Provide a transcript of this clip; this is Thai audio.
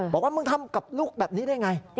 บอกว่ามึงทำกับลูกแบบนี้ได้ไง